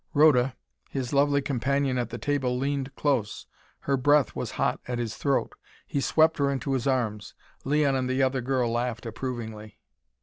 Rhoda, his lovely companion at the table leaned close. Her breath was hot at his throat. He swept her into his arms. Leon and the other girl laughed approvingly.